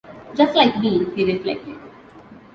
"Just like me," he reflected.